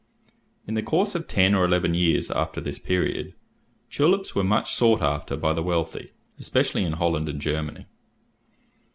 In the course of ten or eleven years after this period, tulips were much sought after by the wealthy, especially in Holland and Germany.